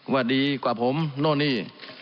ว่าดีกว่าผมโน่นนี่